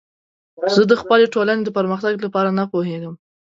زه د خپلې ټولنې د پرمختګ لپاره نه پوهیږم.